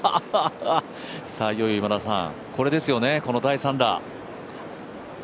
いよいよ、これですよね、この第３打。